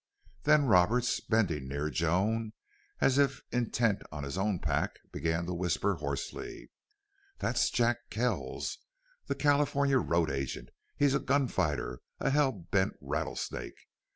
Then Roberts, bending nearer Joan, as if intent on his own pack, began to whisper, hoarsely: "That's Jack Kells, the California road agent. He's a gun fighter a hell bent rattlesnake.